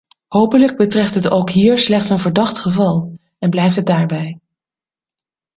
Hopelijk betreft het ook hier slechts een verdacht geval en blijft het daarbij.